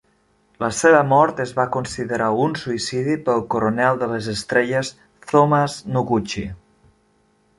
La seva mort es va considerar un suïcidi pel coronel de les estrelles Thomas Noguchi.